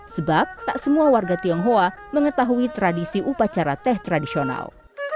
sebab tak semua warga tionghoa mengetahui tradisi upacara teh tradisional